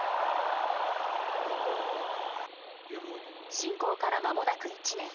侵攻から、まもなく１年。